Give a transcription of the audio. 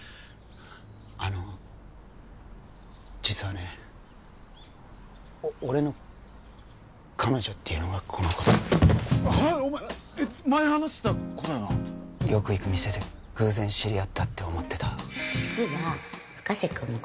あの実はねお俺の彼女っていうのがこの子前話してた子だよなよく行く店で偶然知り合ったって思ってた実は深瀬君のこと